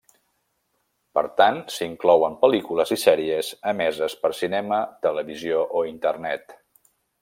Per tant, s'hi inclouen pel·lícules i sèries emeses per cinema, televisió o Internet.